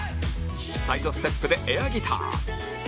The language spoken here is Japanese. サイドステップでエアギター